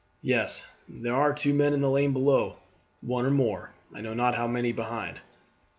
"Yes; there are two men in the lane below, one or more, I know not how many, behind."